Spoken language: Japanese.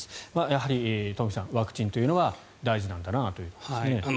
やはりトンフィさんワクチンというのが大事なんだなというところですね。